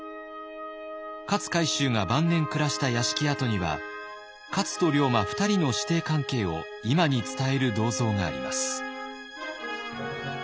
勝海舟が晩年暮らした屋敷跡には勝と龍馬２人の師弟関係を今に伝える銅像があります。